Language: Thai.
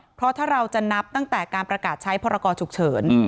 เพราะถ้าเราจะนับตั้งแต่การประกาศใช้พรกรฉุกเฉิน